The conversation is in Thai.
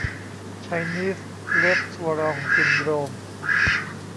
ไชนีสเรสทัวรองซินโดรม